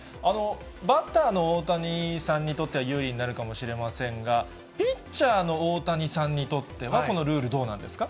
バッターの大谷さんにとっては、優位になるかもしれませんが、ピッチャーの大谷さんにとっては、このルール、どうなんですか？